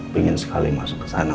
pengen sekali masuk ke sana